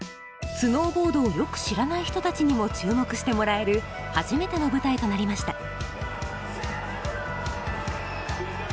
スノーボードをよく知らない人たちにも注目してもらえる初めての舞台となりました。